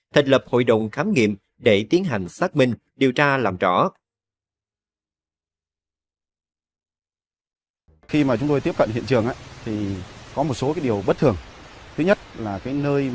thành lập hội đồng khám nghiệm để tiến hành xác minh điều tra làm rõ